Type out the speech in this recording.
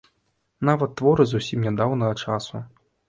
Нават творы зусім нядаўняга часу.